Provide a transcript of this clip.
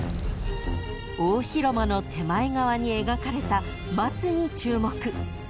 ［大広間の手前側に描かれた松に注目］